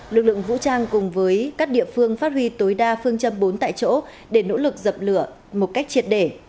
lực lượng vũ trang cùng với các địa phương phát huy tối đa phương châm bốn tại chỗ để nỗ lực dập lửa một cách triệt để